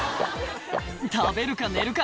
食べるか寝るか